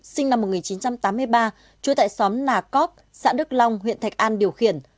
sinh năm một nghìn chín trăm tám mươi ba trú tại xóm nà cóc xã đức long huyện thạch an điều khiển